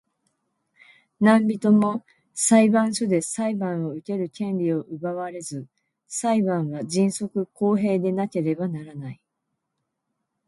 何人（なんびと）も裁判所で裁判を受ける権利を奪われず、裁判は迅速公平でなければならない。